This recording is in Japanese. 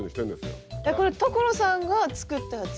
えっ所さんが作ったやつ？